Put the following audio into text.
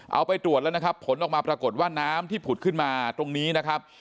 เอาไปตรวจแล้วนะครับผลออกมาปรากฏว่าน้ำที่ผุดขึ้นมาตรงนี้นะครับ